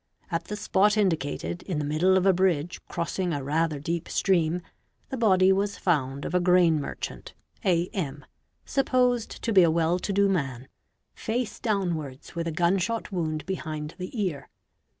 the spot indicated, in the middle of a bridge crossing a rather deep rr "ihe / oS 632 BODILY INJURIES stream, the body was found of a grain merchant, A. M., supposed to be a well to do man, face downwards with a gun shot wound behind the ear.